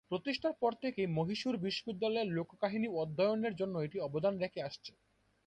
প্রতিষ্ঠার পর থেকেই মহীশূর বিশ্ববিদ্যালয়ের লোককাহিনী অধ্যয়নের জন্য এটি অবদান রেখে আসছে।